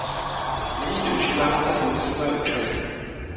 Není využívána pro průmyslové účely.